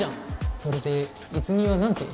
それで泉は何て？